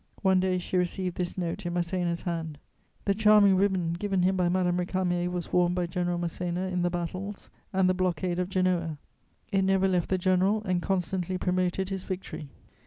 One day she received this note in Masséna's hand: "The charming ribbon given him by Madame Récamier was worn by General Masséna in the battles and the blockade of Genoa: it never left the general and constantly promoted his victory."